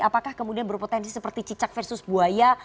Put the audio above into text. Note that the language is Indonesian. apakah kemudian berpotensi seperti cicak versus buaya